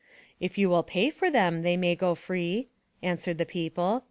''If you will pay for them they may go free," answered the people.